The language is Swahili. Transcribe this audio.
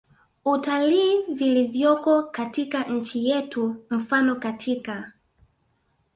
utalii vilivyoko katika nchi yetu Mfano katika